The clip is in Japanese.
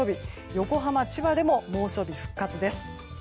横浜、千葉でも猛暑日復活です。